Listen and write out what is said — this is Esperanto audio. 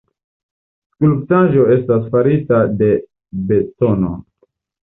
Skulptaĵo estas farita de betono.